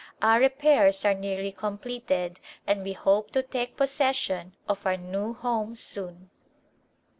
Our repairs are nearly completed and we hope to take possession of our new home soon.